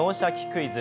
クイズ」